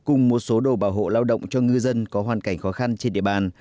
cùng một số đồ bảo hộ lao động cho ngư dân có hoàn cảnh khó khăn trên địa bàn